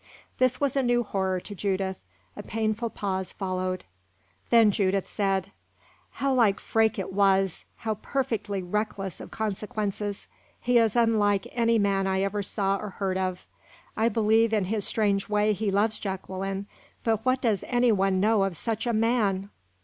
This was a new horror to Judith. A painful pause followed. Then Judith said: "How like Freke it was how perfectly reckless of consequences! He is unlike any man I ever saw or heard of. I believe, in his strange way, he loves Jacqueline; but what does any one know of such a man!"